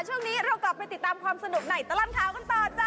สจี้เลยค่ะพี่น้องค่า